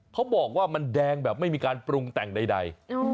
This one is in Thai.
เขาบอกว่ามันแดงแบบไม่มีการปรุงแต่งใด